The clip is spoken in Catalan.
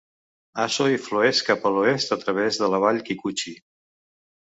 Aso i flueix cap a l'oest a través de la vall Kikuchi.